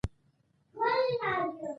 د قران کریم ختم د برکت لپاره کیږي.